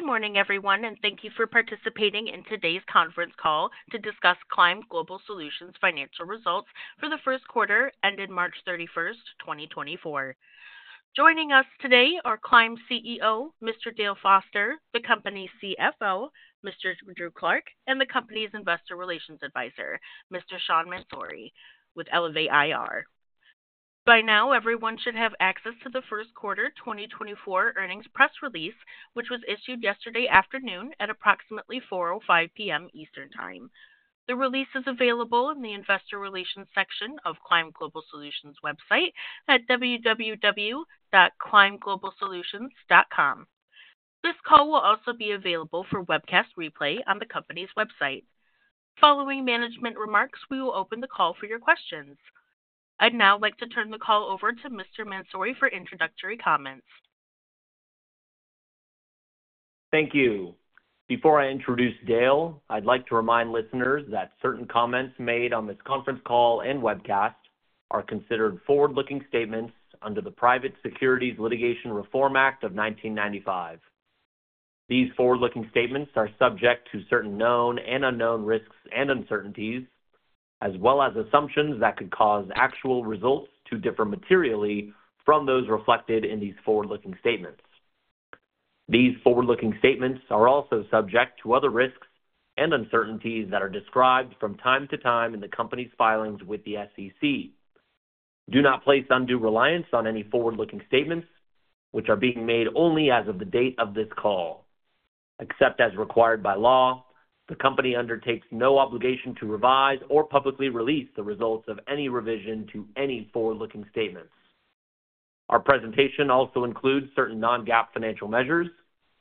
Good morning, everyone, and thank you for participating in today's conference call to discuss Climb Global Solutions financial results for the first quarter, ended March 31, 2024. Joining us today are Climb CEO, Mr. Dale Foster, the company's CFO, Mr. Drew Clark, and the company's investor relations advisor, Mr. Sean Mansouri, with Elevate IR. By now, everyone should have access to the first quarter 2024 earnings press release, which was issued yesterday afternoon at approximately 4:05 P.M. Eastern Time. The release is available in the investor relations section of Climb Global Solutions website at www.climbglobalsolutions.com. This call will also be available for webcast replay on the company's website. Following management remarks, we will open the call for your questions. I'd now like to turn the call over to Mr. Mansouri for introductory comments. Thank you. Before I introduce Dale, I'd like to remind listeners that certain comments made on this conference call and webcast are considered forward-looking statements under the Private Securities Litigation Reform Act of 1995. These forward-looking statements are subject to certain known and unknown risks and uncertainties, as well as assumptions that could cause actual results to differ materially from those reflected in these forward-looking statements. These forward-looking statements are also subject to other risks and uncertainties that are described from time to time in the company's filings with the SEC. Do not place undue reliance on any forward-looking statements, which are being made only as of the date of this call. Except as required by law, the company undertakes no obligation to revise or publicly release the results of any revision to any forward-looking statements. Our presentation also includes certain non-GAAP financial measures,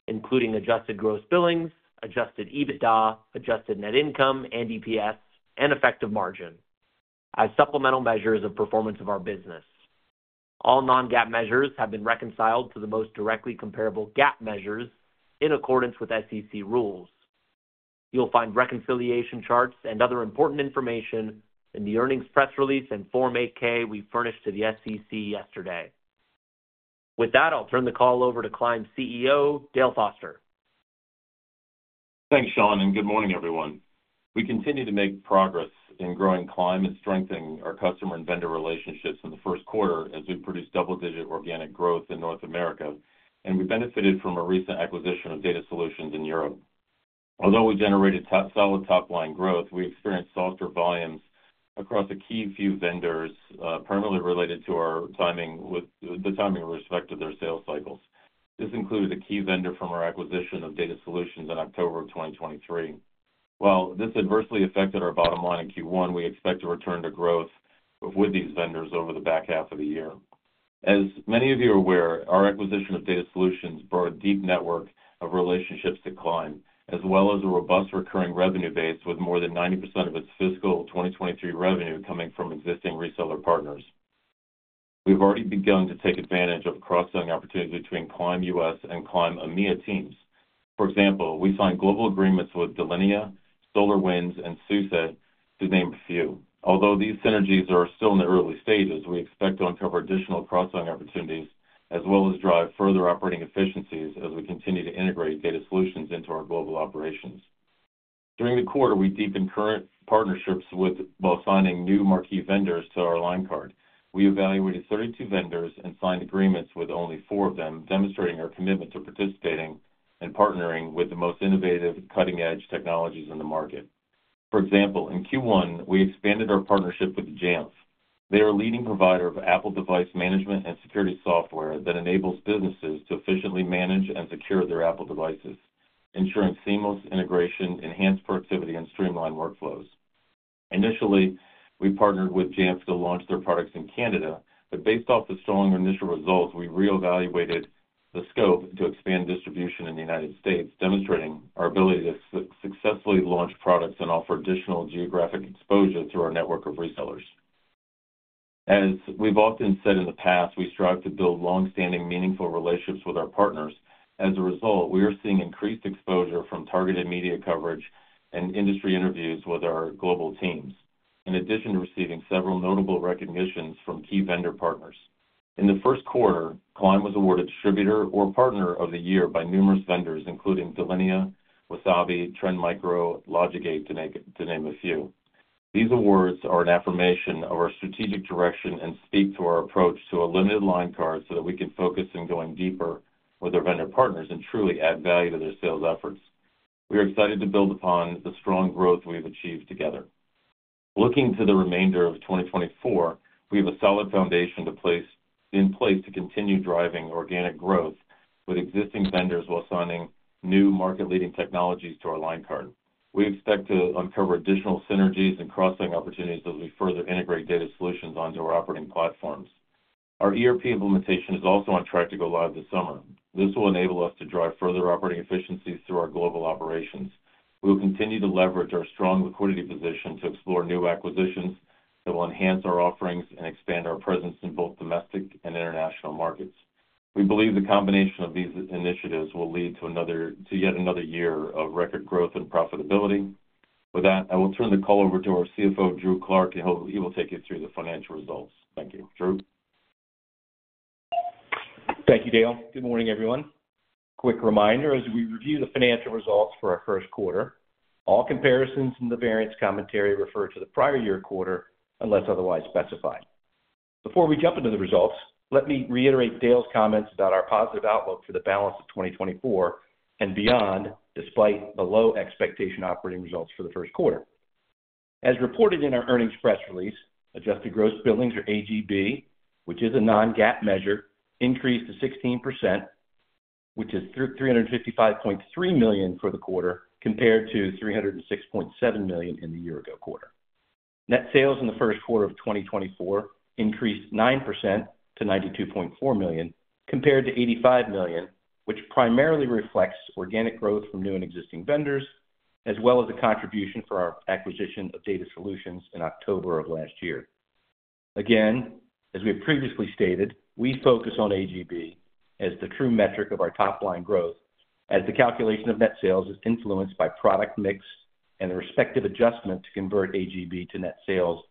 including Adjusted Gross Billings, Adjusted EBITDA, Adjusted Net Income and EPS, and eEffective margin as supplemental measures of performance of our business. All non-GAAP measures have been reconciled to the most directly comparable GAAP measures in accordance with SEC rules. You'll find reconciliation charts and other important information in the earnings press release in Form 8-K we furnished to the SEC yesterday. With that, I'll turn the call over to Climb's CEO, Dale Foster. Thanks, Sean, and good morning, everyone. We continue to make progress in growing Climb and strengthening our customer and vendor relationships in the first quarter, as we've produced double-digit organic growth in North America, and we benefited from a recent acquisition of DataSolutions in Europe. Although we generated solid top-line growth, we experienced softer volumes across a key few vendors, primarily related to the timing with respect to their sales cycles. This included a key vendor from our acquisition of DataSolutions in October 2023. While this adversely affected our bottom line in Q1, we expect to return to growth with these vendors over the back half of the year. As many of you are aware, our acquisition of DataSolutions brought a deep network of relationships to Climb, as well as a robust recurring revenue base, with more than 90% of its fiscal 2023 revenue coming from existing reseller partners. We've already begun to take advantage of cross-selling opportunities between Climb U.S. and Climb EMEA teams. For example, we signed global agreements with Delinea, SolarWinds, and SUSE, to name a few. Although these synergies are still in the early stages, we expect to uncover additional cross-selling opportunities, as well as drive further operating efficiencies as we continue to integrate DataSolutions into our global operations. During the quarter, we deepened current partnerships with while signing new marquee vendors to our line card. We evaluated 32 vendors and signed agreements with only 4 of them, demonstrating our commitment to participating and partnering with the most innovative, cutting-edge technologies in the market. For example, in Q1, we expanded our partnership with Jamf. They are a leading provider of Apple device management and security software that enables businesses to efficiently manage and secure their Apple devices, ensuring seamless integration, enhanced productivity, and streamlined workflows. Initially, we partnered with Jamf to launch their products in Canada, but based off the strong initial results, we reevaluated the scope to expand distribution in the United States, demonstrating our ability to successfully launch products and offer additional geographic exposure through our network of resellers. As we've often said in the past, we strive to build longstanding, meaningful relationships with our partners. As a result, we are seeing increased exposure from targeted media coverage and industry interviews with our global teams, in addition to receiving several notable recognitions from key vendor partners. In the first quarter, Climb was awarded Distributor or Partner of the Year by numerous vendors, including Delinea, Wasabi, Trend Micro, LogicGate, to name a few. These awards are an affirmation of our strategic direction and speak to our approach to a limited line card, so that we can focus in going deeper with our vendor partners and truly add value to their sales efforts. We are excited to build upon the strong growth we have achieved together. Looking to the remainder of 2024, we have a solid foundation in place to continue driving organic growth with existing vendors while signing new market-leading technologies to our line card. We expect to uncover additional synergies and cross-sell opportunities as we further integrate DataSolutions onto our operating platforms. Our ERP implementation is also on track to go live this summer. This will enable us to drive further operating efficiencies through our global operations. We will continue to leverage our strong liquidity position to explore new acquisitions that will enhance our offerings and expand our presence in both domestic and international markets. We believe the combination of these initiatives will lead to yet another year of record growth and profitability. With that, I will turn the call over to our CFO, Drew Clark, and he will take you through the financial results. Thank you. Drew? Thank you, Dale. Good morning, everyone. Quick reminder, as we review the financial results for our first quarter, all comparisons in the variance commentary refer to the prior year quarter, unless otherwise specified. Before we jump into the results, let me reiterate Dale's comments about our positive outlook for the balance of 2024 and beyond, despite the low expectation operating results for the first quarter. As reported in our earnings press release, Adjusted Gross Billings, or AGB, which is a non-GAAP measure, increased to 16%, which is $355.3 million for the quarter, compared to $306.7 million in the year-ago quarter. Net sales in the first quarter of 2024 increased 9% to $92.4 million, compared to $85 million, which primarily reflects organic growth from new and existing vendors, as well as the contribution for our acquisition of DataSolutions in October of last year. Again, as we have previously stated, we focus on AGB as the true metric of our top-line growth, as the calculation of net sales is influenced by product mix and the respective adjustment to convert AGB to net sales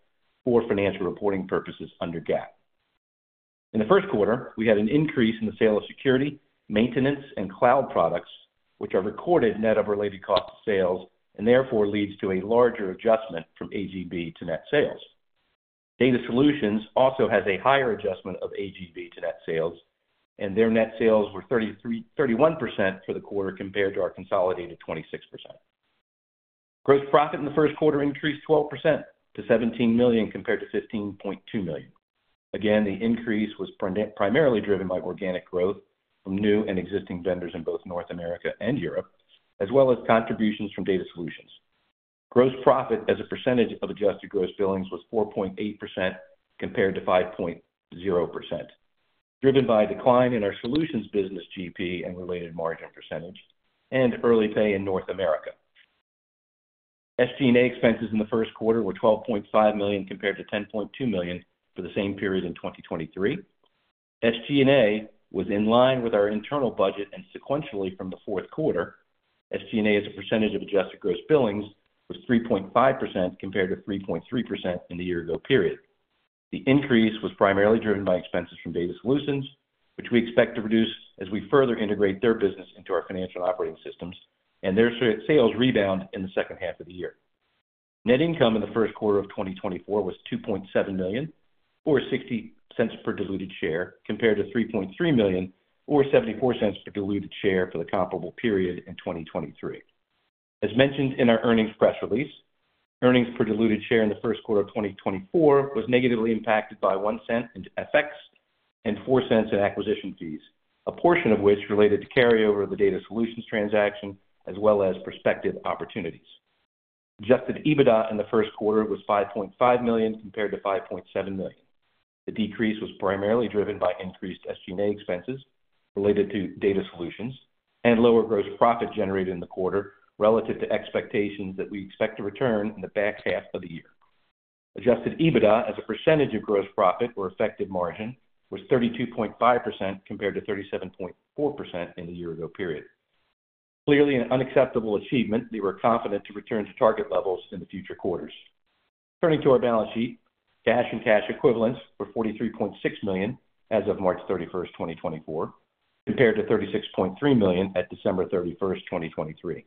for financial reporting purposes under GAAP. In the first quarter, we had an increase in the sale of security, maintenance, and cloud products, which are recorded net of related cost of sales and therefore leads to a larger adjustment from AGB to net sales. DataSolutions also has a higher adjustment of AGB to net sales, and their net sales were 31% for the quarter compared to our consolidated 26%. Gross profit in the first quarter increased 12% to $17 million, compared to $15.2 million. Again, the increase was primarily driven by organic growth from new and existing vendors in both North America and Europe, as well as contributions from DataSolutions. Gross profit as a percentage of Adjusted Gross Billings was 4.8% compared to 5.0%, driven by a decline in our solutions business GP and related margin percentage, and early pay in North America. SG&A expenses in the first quarter were $12.5 million, compared to $10.2 million for the same period in 2023. SG&A was in line with our internal budget and sequentially from the fourth quarter. SG&A, as a percentage of Adjusted Gross Billings, was 3.5%, compared to 3.3% in the year-ago period. The increase was primarily driven by expenses from DataSolutions, which we expect to reduce as we further integrate their business into our financial and operating systems and their sales rebound in the second half of the year. Net income in the first quarter of 2024 was $2.7 million, or $0.60 per diluted share, compared to $3.3 million, or $0.74 per diluted share for the comparable period in 2023. As mentioned in our earnings press release, earnings per diluted share in the first quarter of 2024 was negatively impacted by $0.01 in FX and $0.04 in acquisition fees, a portion of which related to carryover of the DataSolutions transaction, as well as prospective opportunities. Adjusted EBITDA in the first quarter was $5.5 million, compared to $5.7 million. The decrease was primarily driven by increased SG&A expenses related to DataSolutions and lower gross profit generated in the quarter relative to expectations that we expect to return in the back half of the year. Adjusted EBITDA as a percentage of gross profit or effective margin was 32.5%, compared to 37.4% in the year-ago period. Clearly an unacceptable achievement, we were confident to return to target levels in the future quarters. Turning to our balance sheet, cash and cash equivalents were $43.6 million as of March 31, 2024, compared to $36.3 million at December 31, 2023.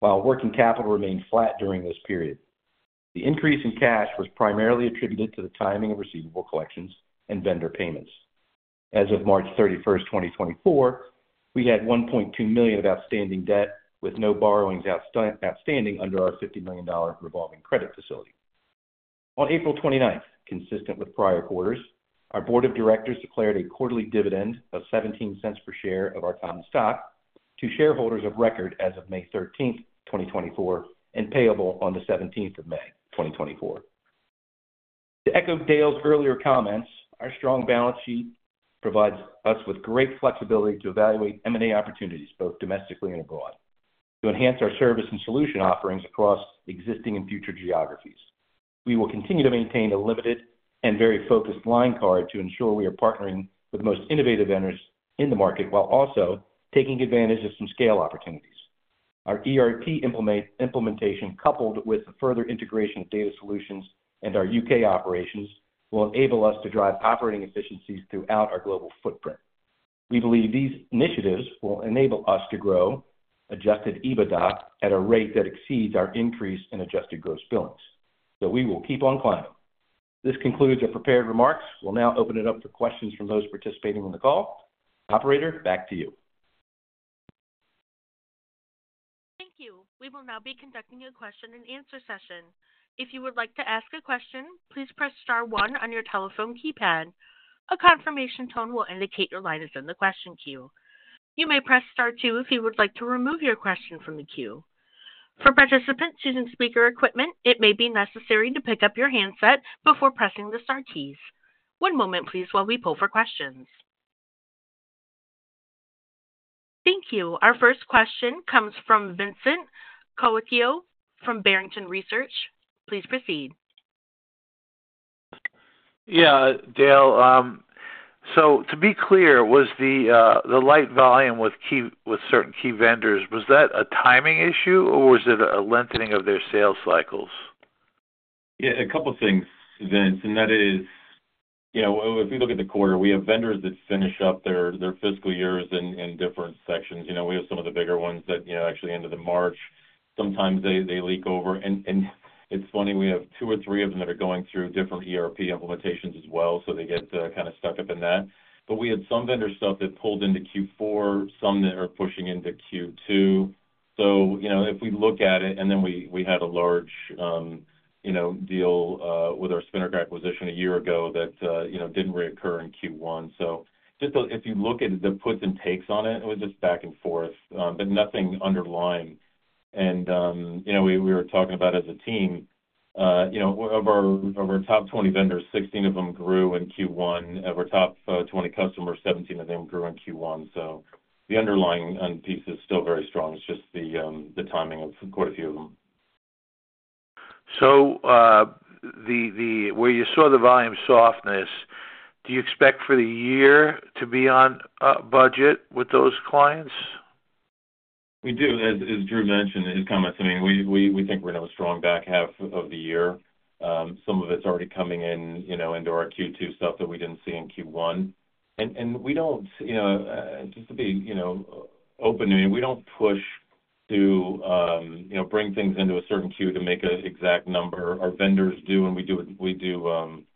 While working capital remained flat during this period, the increase in cash was primarily attributed to the timing of receivable collections and vendor payments. As of March 31, 2024, we had $1.2 million of outstanding debt, with no borrowings outstanding under our $50 million revolving credit facility. On April 29, consistent with prior quarters, our board of directors declared a quarterly dividend of $0.17 per share of our common stock to shareholders of record as of May 13, 2024, and payable on May 17, 2024. To echo Dale's earlier comments, our strong balance sheet provides us with great flexibility to evaluate M&A opportunities, both domestically and abroad, to enhance our service and solution offerings across existing and future geographies. We will continue to maintain a limited and very focused line card to ensure we are partnering with the most innovative vendors in the market, while also taking advantage of some scale opportunities. Our ERP implementation, coupled with the further integration of DataSolutions and our U.K. operations, will enable us to drive operating efficiencies throughout our global footprint. We believe these initiatives will enable us to grow Adjusted EBITDA at a rate that exceeds our increase in Adjusted Gross Billings. So we will keep on climbing. This concludes our prepared remarks. We'll now open it up for questions from those participating on the call. Operator, back to you. Thank you. We will now be conducting a question-and-answer session. If you would like to ask a question, please press star one on your telephone keypad. A confirmation tone will indicate your line is in the question queue. You may press star two if you would like to remove your question from the queue. For participants using speaker equipment, it may be necessary to pick up your handset before pressing the star keys. One moment, please, while we pull for questions. Thank you. Our first question comes from Vincent Colicchio from Barrington Research. Please proceed. Yeah, Dale, so to be clear, was the light volume with certain key vendors a timing issue, or was it a lengthening of their sales cycles?... Yeah, a couple things, Vince, and that is, you know, if we look at the quarter, we have vendors that finish up their, their fiscal years in, in different sections. You know, we have some of the bigger ones that, you know, actually end of the March, sometimes they, they leak over. And, and it's funny, we have two or three of them that are going through different ERP implementations as well, so they get kind of stuck up in that. But we had some vendor stuff that pulled into Q4, some that are pushing into Q2. So, you know, if we look at it, and then we, we had a large, you know, deal with our Spinnakar acquisition a year ago that, you know, didn't reoccur in Q1. So just if you look at the puts and takes on it, it was just back and forth, but nothing underlying. And, you know, we, we were talking about as a team, you know, of our, of our top 20 vendors, 16 of them grew in Q1. Of our top, 20 customers, 17 of them grew in Q1. So the underlying end piece is still very strong. It's just the, the timing of quite a few of them. So, where you saw the volume softness, do you expect for the year to be on budget with those clients? We do. As Drew mentioned in his comments, I mean, we think we're going to have a strong back half of the year. Some of it's already coming in, you know, into our Q2 stuff that we didn't see in Q1. And we don't, you know, just to be, you know, open, we don't push to, you know, bring things into a certain queue to make an exact number. Our vendors do, and we do, you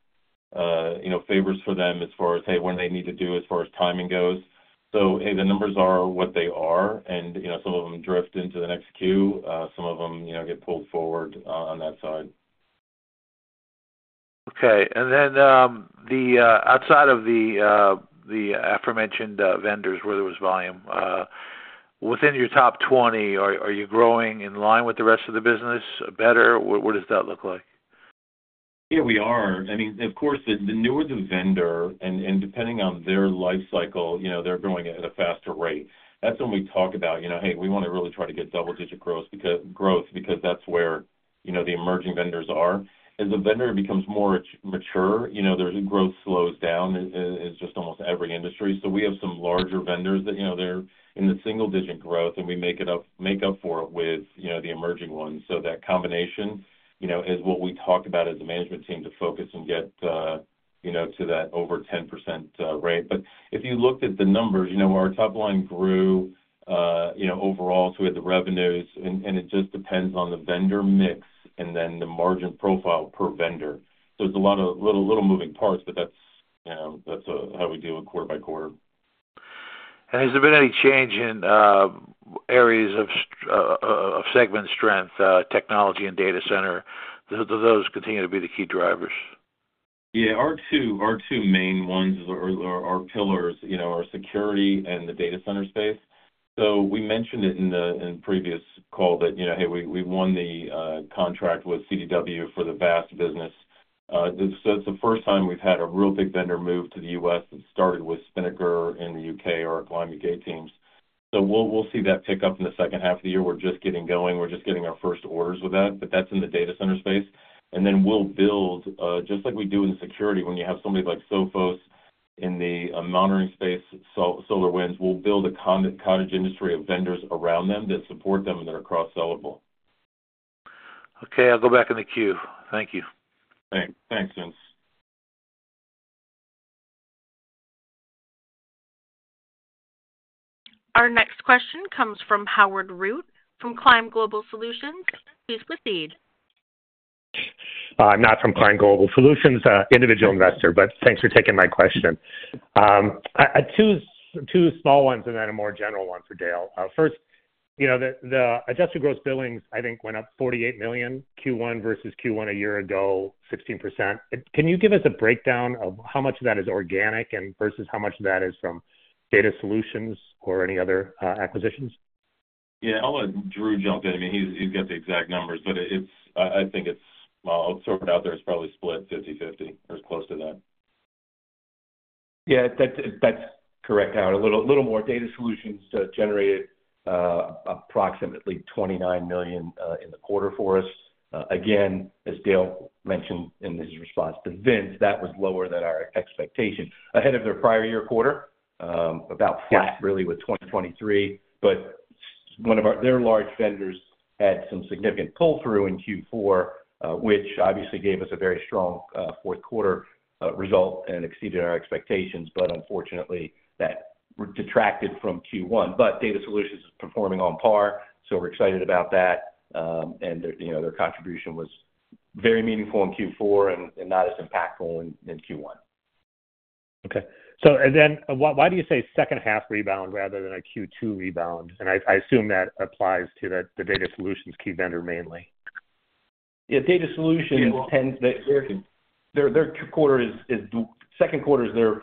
know, favors for them as far as, hey, when they need to do as far as timing goes. So, hey, the numbers are what they are, and, you know, some of them drift into the next queue, some of them, you know, get pulled forward on that side. Okay. And then, the outside of the aforementioned vendors where there was volume within your top 20, are you growing in line with the rest of the business? Better? What does that look like? Yeah, we are. I mean, of course, the newer the vendor, and depending on their life cycle, you know, they're growing at a faster rate. That's when we talk about, you know, hey, we wanna really try to get double-digit gross growth, because that's where, you know, the emerging vendors are. As the vendor becomes more mature, you know, their growth slows down, in just almost every industry. So we have some larger vendors that, you know, they're in the single digit growth, and we make up for it with, you know, the emerging ones. So that combination, you know, is what we talked about as a management team to focus and get, you know, to that over 10% rate. But if you looked at the numbers, you know, our top line grew, you know, overall, so we had the revenues, and, and it just depends on the vendor mix and then the margin profile per vendor. So there's a lot of little, little moving parts, but that's, you know, that's how we deal with quarter by quarter. Has there been any change in areas of segment strength, technology and data center? Do those continue to be the key drivers? Yeah, our two, our two main ones or, or, our pillars, you know, are security and the data center space. So we mentioned it in the, in previous call that, you know, hey, we, we won the contract with CDW for the VAST business. So it's the first time we've had a real big vendor move to the US that started with Spinnakar in the UK, our Climb UK teams. So we'll, we'll see that pick up in the second half of the year. We're just getting going. We're just getting our first orders with that, but that's in the data center space. And then we'll build just like we do in security, when you have somebody like Sophos in the monitoring space, SolarWinds, we'll build a cottage industry of vendors around them that support them and that are cross-sellable. Okay, I'll go back in the queue. Thank you. Thanks, Vince. Our next question comes from Howard Root, from Climb Global Solutions. Please proceed. I'm not from Climb Global Solutions, individual investor, but thanks for taking my question. I, two small ones and then a more general one for Dale. First, you know, the Adjusted Gross Billings, I think, went up $48 million Q1 versus Q1 a year ago, 16%. Can you give us a breakdown of how much of that is organic and versus how much of that is from DataSolutions or any other acquisitions? Yeah, I'll let Drew jump in. I mean, he's got the exact numbers, but it's, I think it's, well, sort of out there, it's probably split 50/50 or close to that. Yeah, that's correct, Howard. A little more DataSolutions generated approximately $29 million in the quarter for us. Again, as Dale mentioned in his response to Vince, that was lower than our expectation. Ahead of their prior year quarter, about flat really with 2023. But one of their large vendors had some significant pull-through in Q4, which obviously gave us a very strong fourth quarter result and exceeded our expectations, but unfortunately, that detracted from Q1. But DataSolutions is performing on par, so we're excited about that. And, you know, their contribution was very meaningful in Q4 and not as impactful in Q1. Okay. So and then, why, why do you say second half rebound rather than a Q2 rebound? And I, I assume that applies to the, the DataSolutions key vendor mainly. Yeah, DataSolutions tends. Their second quarter is their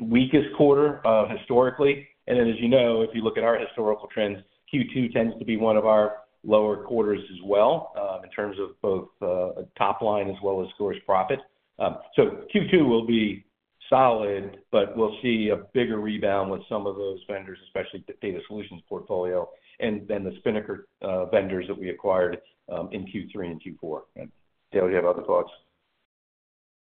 weakest quarter, historically. And then, as you know, if you look at our historical trends, Q2 tends to be one of our lower quarters as well, in terms of both, top line as well as gross profit. So Q2 will be solid, but we'll see a bigger rebound with some of those vendors, especially the DataSolutions portfolio and the Spinnakar vendors that we acquired in Q3 and Q4. Dale, you have other thoughts?...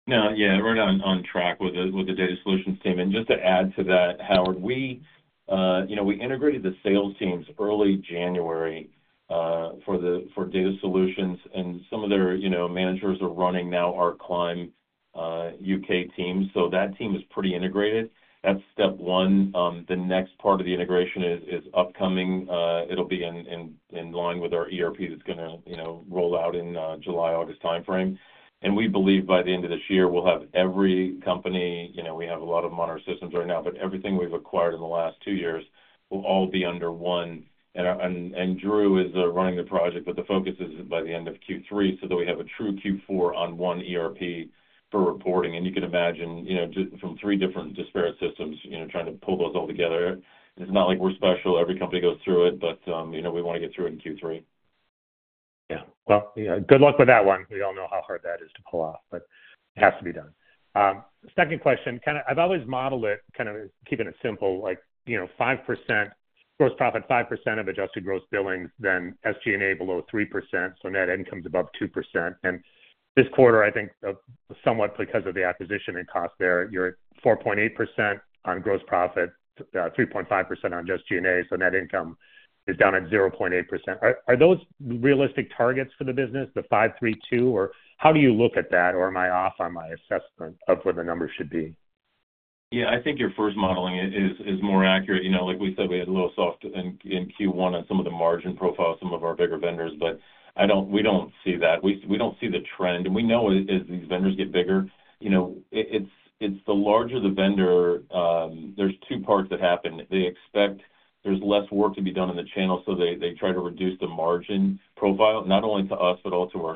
No, yeah, we're on track with the DataSolutions team. And just to add to that, Howard, we, you know, we integrated the sales teams early January for DataSolutions, and some of their, you know, managers are running now our Climb UK team. So that team is pretty integrated. That's step one. The next part of the integration is upcoming. It'll be in line with our ERP that's gonna, you know, roll out in July, August time frame. And we believe by the end of this year, we'll have every company, you know, we have a lot of them on our systems right now, but everything we've acquired in the last two years will all be under one. Drew is running the project, but the focus is by the end of Q3, so that we have a true Q4 on one ERP for reporting. And you can imagine, you know, just from three different disparate systems, you know, trying to pull those all together, it's not like we're special. Every company goes through it, but, you know, we wanna get through it in Q3. Yeah. Well, yeah, good luck with that one. We all know how hard that is to pull off, but it has to be done. Second question, kind of, I've always modeled it, kind of, keeping it simple, like, you know, 5% gross profit, 5% of Adjusted Gross Billings, then SG&A below 3%, so net income's above 2%. And this quarter, I think, somewhat because of the acquisition and cost there, you're at 4.8% on gross profit, 3.5% on just G&A, so net income is down at 0.8%. Are, are those realistic targets for the business, the 5, 3, 2, or how do you look at that? Or am I off on my assessment of where the numbers should be? Yeah, I think your first modeling is more accurate. You know, like we said, we had a little soft in Q1 on some of the margin profile of some of our bigger vendors, but we don't see that. We don't see the trend, and we know as these vendors get bigger, you know, it's the larger the vendor, there's two parts that happen. They expect there's less work to be done in the channel, so they try to reduce the margin profile, not only to us, but also to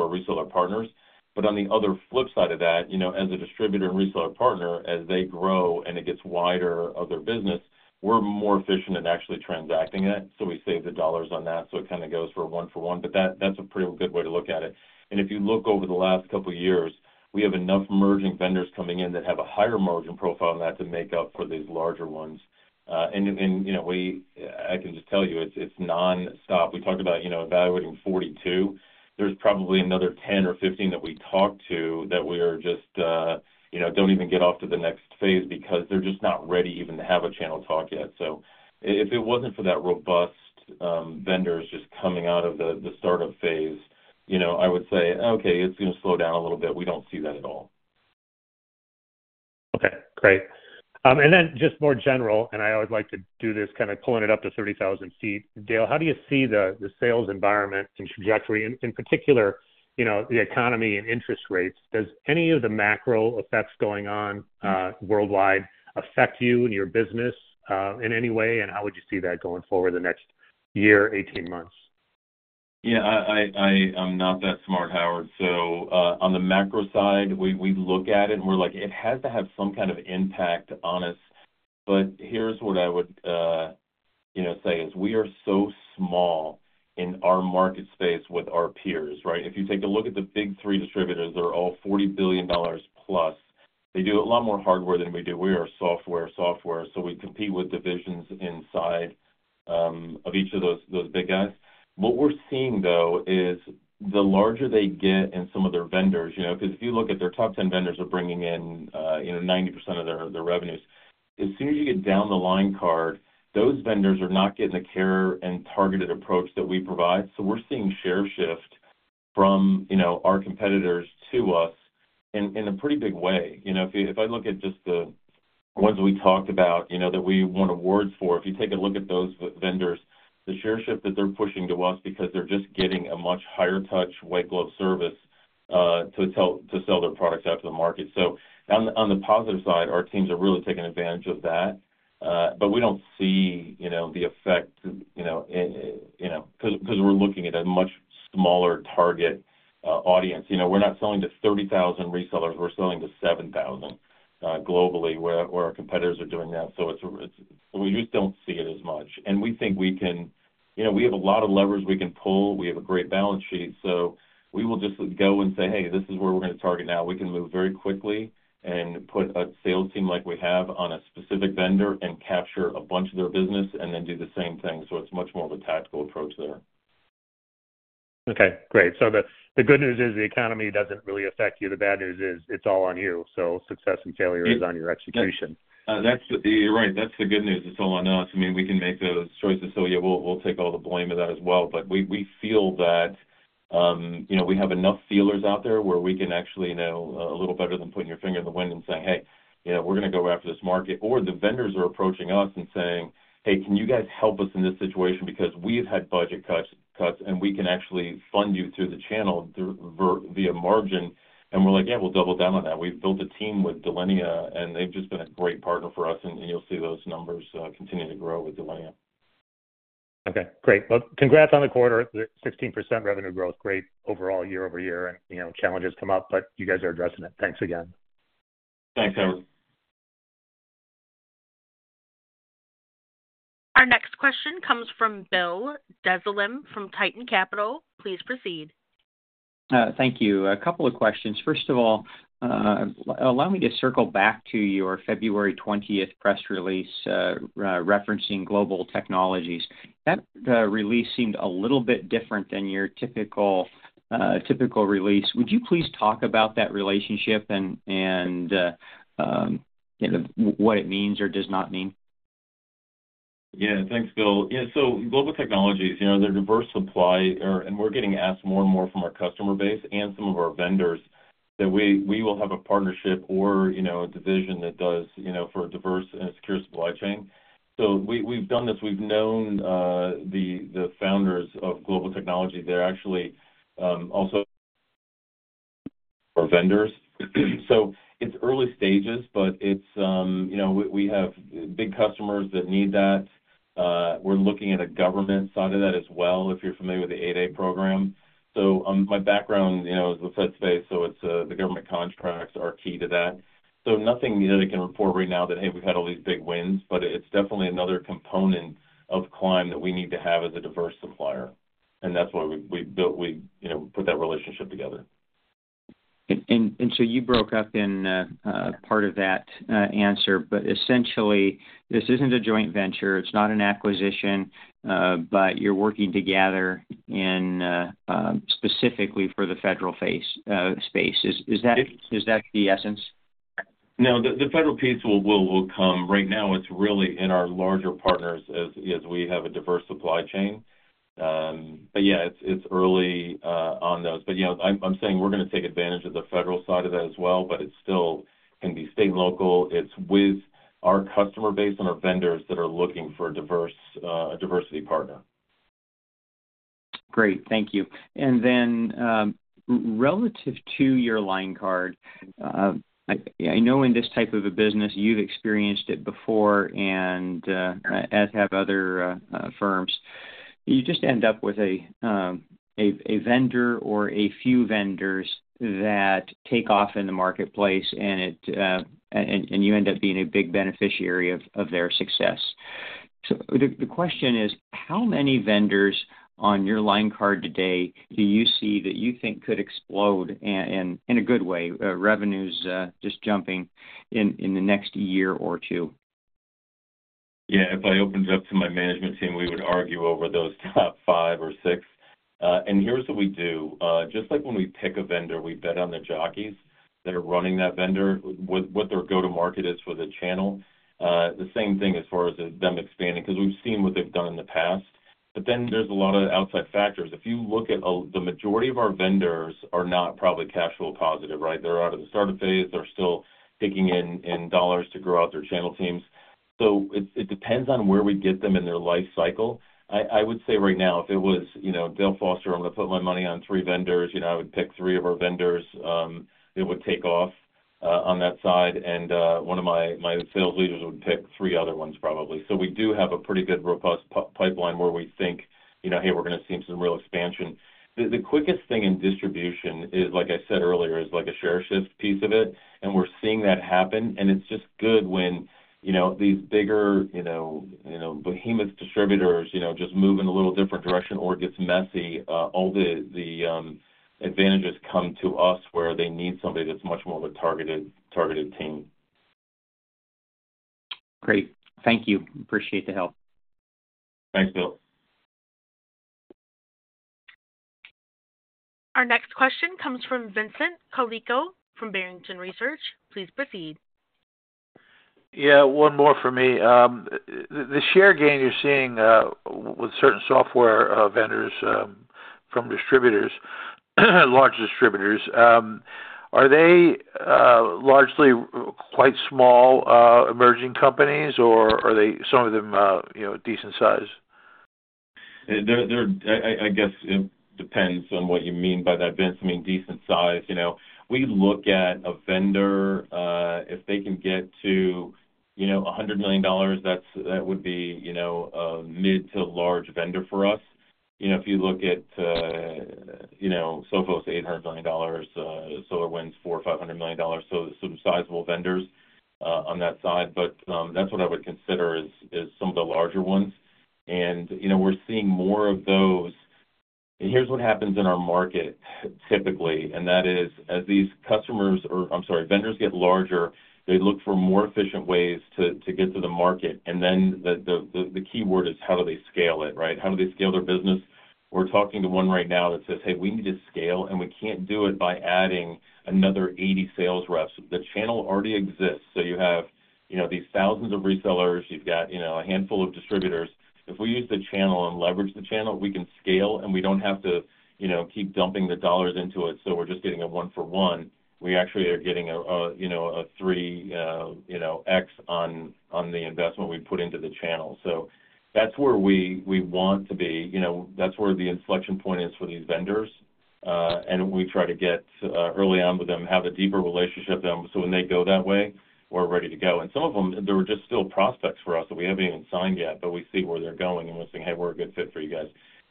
our reseller partners. But on the other flip side of that, you know, as a distributor and reseller partner, as they grow and it gets wider of their business, we're more efficient in actually transacting it, so we save the dollars on that, so it kind of goes for a one for one. But that's a pretty good way to look at it. And if you look over the last couple of years, we have enough emerging vendors coming in that have a higher margin profile than that to make up for these larger ones. And, you know, we—I can just tell you, it's nonstop. We talked about, you know, evaluating 42. There's probably another 10 or 15 that we talked to that we're just, you know, don't even get to the next phase because they're just not ready even to have a channel talk yet. So if it wasn't for that robust vendors just coming out of the startup phase, you know, I would say, "Okay, it's gonna slow down a little bit." We don't see that at all. Okay, great. And then just more general, and I always like to do this, kind of, pulling it up to 30,000 feet. Dale, how do you see the sales environment and trajectory, in particular, you know, the economy and interest rates? Does any of the macro effects going on worldwide affect you and your business in any way? And how would you see that going forward the next year, 18 months? Yeah, I, I'm not that smart, Howard. So, on the macro side, we look at it, and we're like: It has to have some kind of impact on us. But here's what I would, you know, say, is we are so small in our market space with our peers, right? If you take a look at the big three distributors, they're all $40 billion plus. They do a lot more hardware than we do. We are software, software, so we compete with divisions inside of each of those big guys. What we're seeing, though, is the larger they get and some of their vendors, you know, because if you look at their top 10 vendors are bringing in, you know, 90% of their revenues. As soon as you get down the line card, those vendors are not getting the care and targeted approach that we provide. So we're seeing share shift from, you know, our competitors to us in, in a pretty big way. You know, if you—if I look at just the ones we talked about, you know, that we won awards for, if you take a look at those vendors, the share shift that they're pushing to us because they're just getting a much higher touch, white glove service, to sell, to sell their products out to the market. So on the, on the positive side, our teams are really taking advantage of that, but we don't see, you know, the effect, you know, because, because we're looking at a much smaller target audience. You know, we're not selling to 30,000 resellers, we're selling to 7,000 globally, where our competitors are doing that. So it's... We just don't see it as much. And we think we can, you know, we have a lot of levers we can pull. We have a great balance sheet. So we will just go and say, "Hey, this is where we're gonna target now." We can move very quickly and put a sales team like we have on a specific vendor and capture a bunch of their business and then do the same thing. So it's much more of a tactical approach there. Okay, great. So the good news is the economy doesn't really affect you. The bad news is it's all on you, so success and failure is on your execution. That's right. That's the good news. It's all on us. I mean, we can make those choices, so, yeah, we'll take all the blame of that as well. But we feel that, you know, we have enough feelers out there, where we can actually know a little better than putting your finger in the wind and saying, "Hey, yeah, we're gonna go after this market." Or the vendors are approaching us and saying, "Hey, can you guys help us in this situation? Because we've had budget cuts, and we can actually fund you through the channel via margin." And we're like, "Yeah, we'll double down on that." We've built a team with Delinea, and they've just been a great partner for us, and you'll see those numbers continue to grow with Delinea. Okay, great. Well, congrats on the quarter. The 16% revenue growth, great overall year-over-year, and, you know, challenges come up, but you guys are addressing it. Thanks again. Thanks, Howard. Our next question comes from Bill Dezellem from Tieton Capital Management. Please proceed. Thank you. A couple of questions. First of all, allow me to circle back to your February twentieth press release, referencing Global Technologies. That release seemed a little bit different than your typical release. Would you please talk about that relationship and, you know, what it means or does not mean? ... Yeah, thanks, Bill. Yeah, so Global Technologies, you know, they're diverse supply, and we're getting asked more and more from our customer base and some of our vendors that we will have a partnership or, you know, a division that does, you know, for a diverse and a secure supply chain. So we, we've done this. We've known the founders of Global Technologies. They're actually also our vendors. So it's early stages, but it's you know we have big customers that need that. We're looking at a government side of that as well, if you're familiar with the 8(a) program. So my background, you know, is the Fed space, so it's the government contracts are key to that. So nothing that I can report right now that, hey, we've had all these big wins, but it's definitely another component of Climb that we need to have as a diverse supplier, and that's why we, we built—we, you know, put that relationship together. So you broke up in part of that answer, but essentially, this isn't a joint venture, it's not an acquisition, but you're working together, specifically for the federal space. Is that the essence? No, the federal piece will come. Right now, it's really in our larger partners as we have a diverse supply chain. But yeah, it's early on those. But, you know, I'm saying we're gonna take advantage of the federal side of it as well, but it still can be state and local. It's with our customer base and our vendors that are looking for a diversity partner. Great, thank you. And then, relative to your line card, I know in this type of a business, you've experienced it before, and, as have other firms, you just end up with a vendor or a few vendors that take off in the marketplace, and it and you end up being a big beneficiary of their success. So the question is, how many vendors on your line card today do you see that you think could explode, and in a good way, revenues just jumping in the next year or two? Yeah. If I opened it up to my management team, we would argue over those top five or six. And here's what we do. Just like when we pick a vendor, we bet on the jockeys that are running that vendor, what their go-to market is for the channel. The same thing as far as them expanding, 'cause we've seen what they've done in the past. But then there's a lot of outside factors. If you look at the majority of our vendors are not probably cash flow positive, right? They're out of the startup phase. They're still taking in dollars to grow out their channel teams. So it depends on where we get them in their life cycle. I would say right now, if it was, you know, Dale Foster, I'm gonna put my money on three vendors, you know, I would pick three of our vendors, that would take off on that side, and one of my sales leaders would pick three other ones, probably. So we do have a pretty good robust pipeline where we think, you know, "Hey, we're gonna see some real expansion." The quickest thing in distribution is, like I said earlier, like a share shift piece of it, and we're seeing that happen. And it's just good when, you know, these bigger, you know, behemoth distributors, you know, just move in a little different direction or it gets messy, all the advantages come to us where they need somebody that's much more of a targeted team. Great. Thank you. Appreciate the help. Thanks, Bill. Our next question comes from Vincent Colicchio from Barrington Research. Please proceed. Yeah, one more for me. The share gain you're seeing with certain software vendors from distributors, large distributors, are they largely quite small emerging companies, or are they, some of them, you know, decent size? I guess it depends on what you mean by that, Vince. I mean, decent size, you know, we look at a vendor, if they can get to, you know, $100 million, that's, that would be, you know, a mid to large vendor for us. You know, if you look at, you know, Sophos, $800 million, SolarWinds, $400 million-$500 million, so some sizable vendors on that side. But, that's what I would consider as some of the larger ones. And, you know, we're seeing more of those. And here's what happens in our market typically, and that is, as these customers or, I'm sorry, vendors get larger, they look for more efficient ways to get to the market, and then the key word is, how do they scale it, right? How do they scale their business? We're talking to one right now that says: Hey, we need to scale, and we can't do it by adding another 80 sales reps. The channel already exists, so you have, you know, these thousands of resellers. You've got, you know, a handful of distributors. If we use the channel and leverage the channel, we can scale, and we don't have to, you know, keep dumping the dollars into it, so we're just getting a one-for-one. We actually are getting a, you know, a 3x on the investment we put into the channel. So that's where we want to be. You know, that's where the inflection point is for these vendors, and we try to get, early on with them, have a deeper relationship with them, so when they go that way, we're ready to go. And some of them, they were just still prospects for us, so we haven't even signed yet, but we see where they're going, and we're saying, "Hey, we're a good fit for you guys."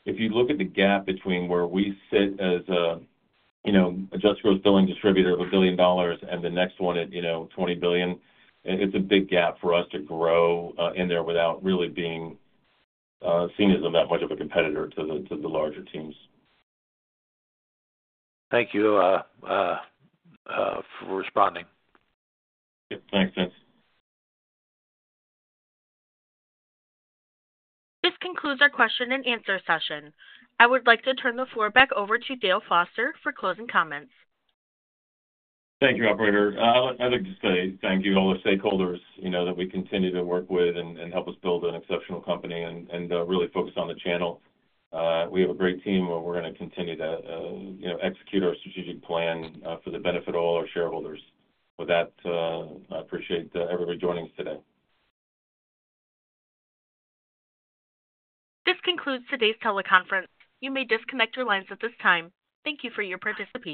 If you look at the gap between where we sit as a, you know, Adjusted Gross Billings distributor of $1 billion and the next one at, you know, $20 billion, it's a big gap for us to grow, in there without really being, seen as that much of a competitor to the, to the larger teams. Thank you for responding. Yeah. Thanks, Vince. This concludes our question and answer session. I would like to turn the floor back over to Dale Foster for closing comments. Thank you, Operator. I'd like to say thank you to all the stakeholders, you know, that we continue to work with and really focus on the channel. We have a great team, and we're gonna continue to, you know, execute our strategic plan for the benefit of all our shareholders. With that, I appreciate everybody joining us today. This concludes today's teleconference. You may disconnect your lines at this time. Thank you for your participation.